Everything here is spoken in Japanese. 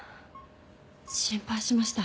心配しました。